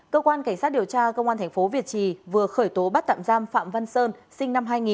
cơ quan cảnh sát điều tra công an tp việt trì vừa khởi tố bắt tạm giam phạm văn sơn sinh năm hai nghìn